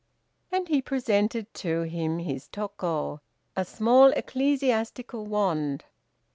And he presented to him his toko (a small ecclesiastical wand).